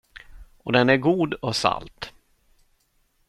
Och den är god och salt.